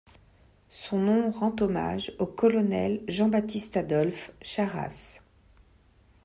Son nom rend hommage au colonel Jean-Baptiste-Adolphe Charras.